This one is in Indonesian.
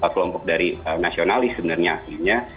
kelompok dari nasionalis sebenarnya